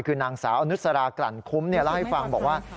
คือนางสาวอนุสรากลั่นคุ้มเล่าให้ฟังบอกว่า